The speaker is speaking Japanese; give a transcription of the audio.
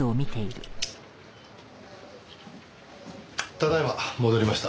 ただいま戻りました。